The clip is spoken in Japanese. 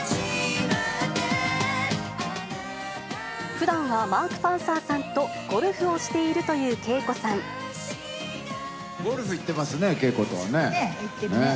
ふだんはマーク・パンサーさんとゴルフをしているというＫＥＩＫゴルフ行ってますね、ＫＥＩね、行ってるね。